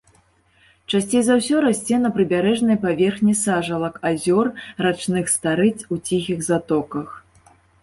Часцей за ўсё расце на прыбярэжнай паверхні сажалак, азёр, рачных старыц, у ціхіх затоках.